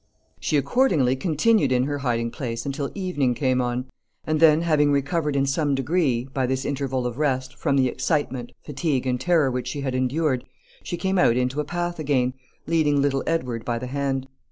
[Sidenote: Night.] She accordingly continued in her hiding place until evening came on, and then, having recovered in some degree, by this interval of rest, from the excitement, fatigue, and terror which she had endured, she came out into a path again, leading little Edward by the hand.